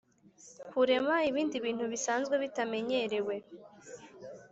kurema ibindi bintu bisanzwe bitamenyerewe